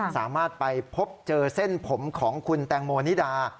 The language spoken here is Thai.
สามารถไปพบเจอเส้นผมของคุณแตงโมนิดา